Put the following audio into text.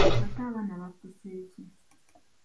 Ate abaana bakusse ki?